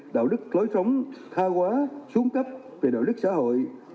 đạo đức lối sống tha quá xuống cấp về đạo đức xã hội